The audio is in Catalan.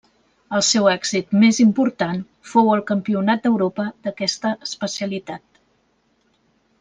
El seu èxit més important fou el Campionat d'Europa d'aquesta especialitat.